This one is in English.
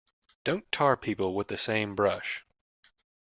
Don't tar people with the same brush.